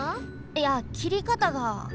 いやきりかたが。